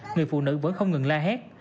người phụ nữ vẫn không ngừng la hét